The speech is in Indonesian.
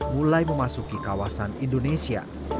mulai memasuki kawasan indonesia